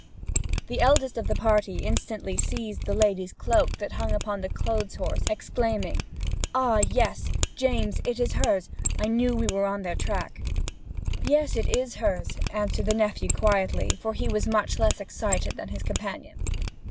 The eldest of the party instantly seized the lady's cloak, that hung upon a clothes horse, exclaiming: 'Ah! yes, James, it is hers. I knew we were on their track.' 'Yes, it is hers,' answered the nephew quietly, for he was much less excited than his companion.